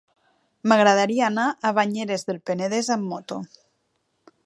M'agradaria anar a Banyeres del Penedès amb moto.